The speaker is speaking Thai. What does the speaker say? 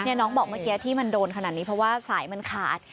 น้องบอกเมื่อกี้ที่มันโดนขนาดนี้เพราะว่าสายมันขาด